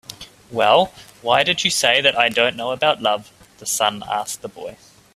"Well, why did you say that I don't know about love?" the sun asked the boy.